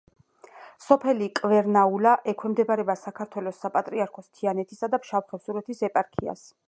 სოფელი კვერნაულა ექვემდებარება საქართველოს საპატრიარქოს თიანეთისა და ფშავ-ხევსურეთის ეპარქიას.